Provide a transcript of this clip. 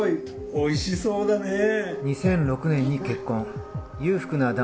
おいしそうだねぇ。